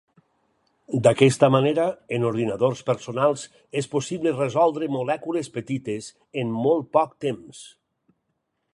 D'aquesta manera, en ordinadors personals és possible resoldre molècules petites en molt poc temps.